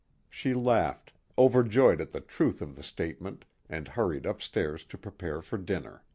She laughed, overjoyed at the truth of the statement and hurried upstairs to prepare for dinner.